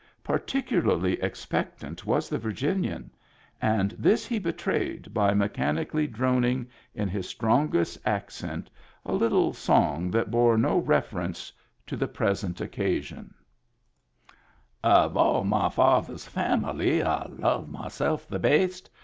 Particularly expectant was the Vir ginian, and this he betrayed by mechanically droning in his strongest accent a little song that bore no reference to the present occasion: —'' Of all my fatheh's famUee I love myself the baist.